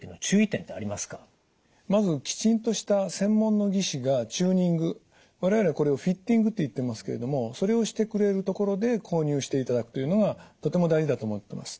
まずきちんとした専門の技師がチューニング我々これをフィッティングといってますけれどもそれをしてくれる所で購入していただくというのがとても大事だと思ってます。